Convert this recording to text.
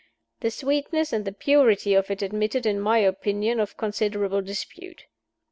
The sweetness and the purity of it admitted, in my opinion, of considerable dispute.